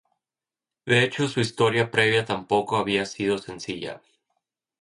De hecho, su historia previa tampoco había sido sencilla.